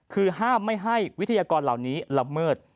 คือห้ามไม่ให้วิทยากรเหล่านี้ละเมิด